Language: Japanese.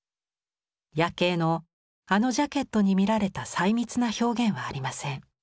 「夜警」のあのジャケットに見られた細密な表現はありません。